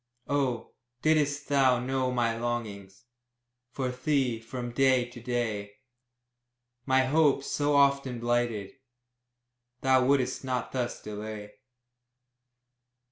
Oh, didst thou know my longings For thee, from day to day, My hopes, so often blighted, Thou wouldst not thus delay!